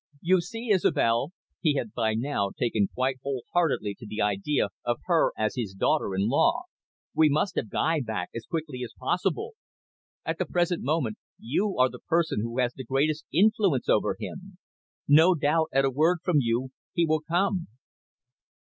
"You see, Isobel," he had by now taken quite whole heartedly to the idea of her as his daughter in law "we must have Guy back as quickly as possible. At the present moment, you are the person who has the greatest influence over him. No doubt, at a word from you he will come."